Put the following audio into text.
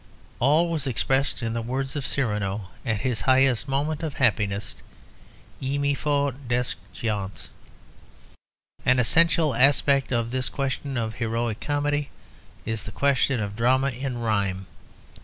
All was expressed in the words of Cyrano at his highest moment of happiness, Il me faut des géants. An essential aspect of this question of heroic comedy is the question of drama in rhyme.